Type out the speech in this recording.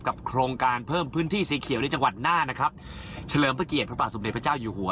โครงการเพิ่มพื้นที่สีเขียวในจังหวัดหน้านะครับเฉลิมพระเกียรติพระบาทสมเด็จพระเจ้าอยู่หัว